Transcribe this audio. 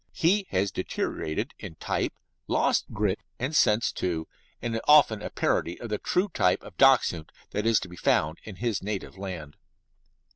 He has deteriorated in type, lost grit and sense, too, and is often a parody of the true type of Dachshund that is to be found in his native land.